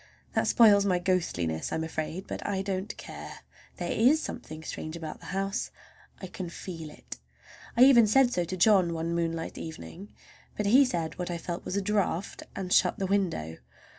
That spoils my ghostliness, I am afraid; but I don't care—there is something strange about the house—I can feel it. I even said so to John one moonlight evening, but he said what I felt was a draught, and shut the window.